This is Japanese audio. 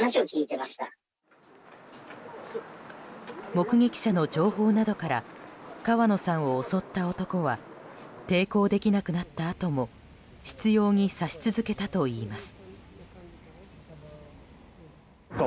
目撃者の情報などから川野さんを襲った男は抵抗できなくなったあとも執拗に刺し続けたといいます。